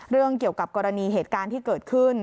เรื่องเกี่ยวกับกรณีเหตุการณ์ที่เกิดขึ้น